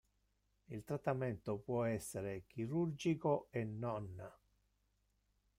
Il trattamento può essere chirurgico e non.